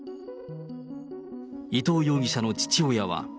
伊藤容疑者の父親は。